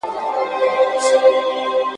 د ملا انډیوالي تر شکرانې وي !.